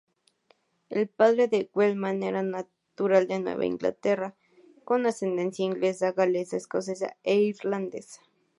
El padre de Wellman era natural de Nueva Inglaterra, con ascendencia inglesa-galesa-escocesa e irlandesa.